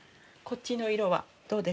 こっちの色？